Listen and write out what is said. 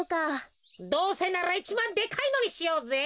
どうせならいちばんでかいのにしようぜ。